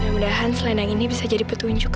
mudah mudahan selendang ini bisa jadi petunjuk